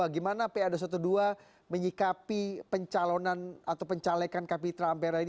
gimana pa dua ratus dua belas menyikapi pencalonan atau pencalekan kapitra ampera ini